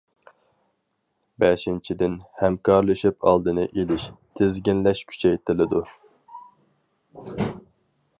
بەشىنچىدىن، ھەمكارلىشىپ ئالدىنى ئېلىش، تىزگىنلەش كۈچەيتىلىدۇ.